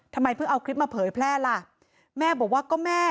ทำไมเพิ่งเอาคลิปมาเผยแพร่ล่ะแม่บอกว่าก็แม่